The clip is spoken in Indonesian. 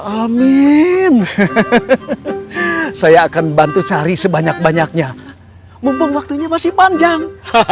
amin saya akan bantu cari sebanyak banyaknya mumpung waktunya masih panjang